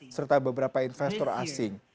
serta beberapa investor asing